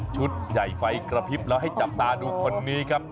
ใหญ่ไฟกระพริบแล้วให้จับตาดูคนนี้ครับ